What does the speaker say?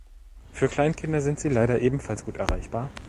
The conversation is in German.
Für Kleinkinder sind sie leider ebenfalls gut erreichbar.